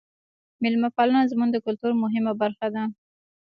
میلمه پالنه زموږ د کلتور مهمه برخه ده.